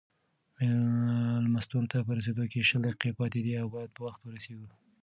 مېلمستون ته په رسېدو کې شل دقیقې پاتې دي او باید په وخت ورسېږو.